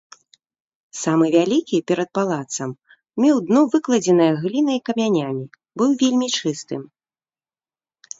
Самы вялікі, перад палацам, меў дно, выкладзенае глінай і камянямі, быў вельмі чыстым.